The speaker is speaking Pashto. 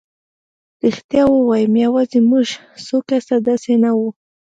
رښتیا ووایم یوازې موږ څو کسه داسې نه وو.